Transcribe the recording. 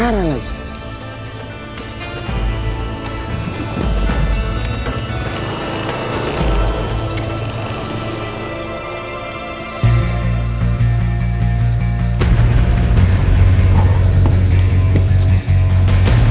aku mau pergi ke rumah